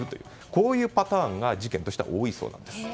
こういうパターンが事件としては多いそうなんです。